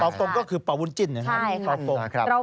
เป่ากรงก็คือเป่าบุญจิ้นนะครับ